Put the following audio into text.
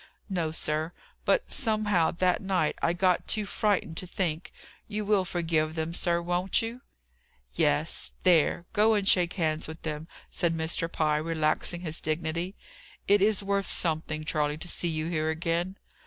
"No, sir; but somehow, that night I got too frightened to think. You will forgive them, sir, won't you?" "Yes! There! Go and shake hands with them," said Mr. Pye, relaxing his dignity. "It is worth something, Charley, to see you here again."